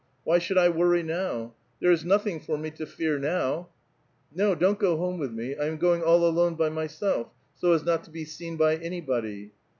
Why should I worry now ? There is nothing for me to fear now. Ko, don't go home with me ; I am going all alone by myself, i^o as not to be seen by anybody."